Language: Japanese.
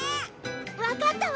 わかったわ。